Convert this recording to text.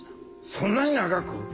そんなに長く？